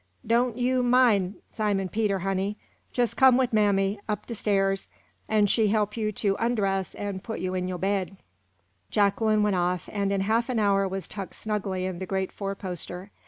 Doan' you min' Simon Peter, honey; jes' come wid mammy up sty'ars an' she holp you to ondress an' put you in yo' bed." Jacqueline went off, and in half an hour was tucked snugly in the great four poster.